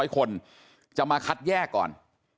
๐คนจะมาคัดแยกก่อน